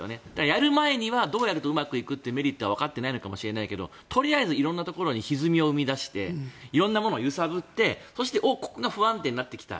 やる前にはどうやるとうまくいくというメリットはわかっていないかもしれないけどとりあえず色んなところにひずみを生み出して色んなものを揺さぶってここが不安定になってきた